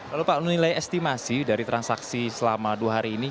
lalu pak menilai estimasi dari transaksi selama dua hari ini